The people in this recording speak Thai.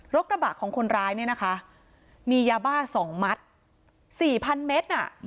รถกระบะของคนร้ายเนี้ยนะคะมียาบ้าสองมัดสี่พันเมตรอ่ะ